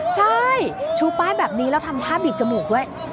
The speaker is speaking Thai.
ใช่ชูป้ายแบบนี้แล้วทำท่าบีบจมูกด้วย